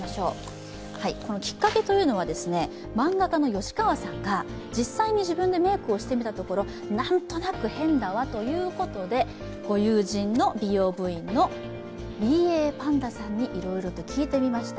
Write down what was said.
きっかけというのは漫画家の吉川さんが実際に自分でメイクをしてみたところ、何となく変だわということでご友人の美容部員のＢＡパンダさんにいろいろと聞いてみました。